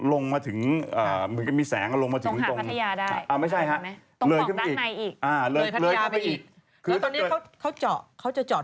ลงมาถึงเสียงลงมาถึง